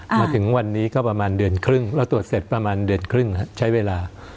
มาถึงวันนี้ก็ประมาณเดือนครึ่งเราตรวจเสร็จประมาณเดือนครึ่งใช้เวลา